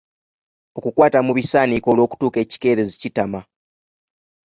Okukwata mu bisaaniiko olw’okutuuka ekikeerezi kitama.